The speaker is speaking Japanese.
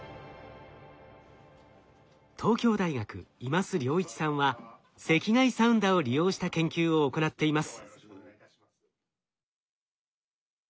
東京大学今須良一さんは赤外サウンダを利用した研究を行っています。